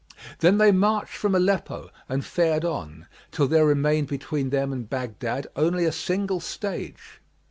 Then they marched from Aleppo and fared on, till there remained between them and Baghdad only a single stage.